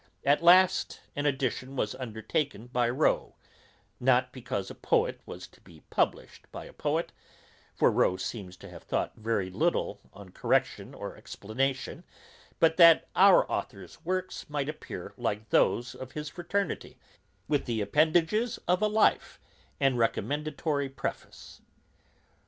At last an edition was undertaken by Rowe; not because a poet was to be published by a poet, for Rowe seems to have thought very little on correction or explanation, but that our authour's works might appear like those of his fraternity, with the appendages of a life and recommendatory preface.